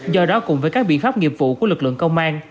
do đó cùng với các biện pháp nghiệp vụ của lực lượng công an